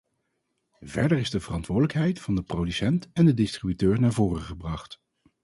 Verder is de verantwoordelijkheid van de producent en de distributeur naar voren gebracht.